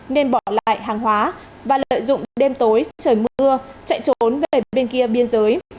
nên bỏ lại hàng hóa và lợi dụng đêm tối trời mưa chạy trốn về bên kia biên giới